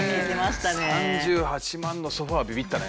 ３８万のソファはビビったね。